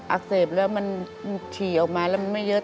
อักเสบแล้วมันฉี่ออกมาแล้วมันไม่เยอะ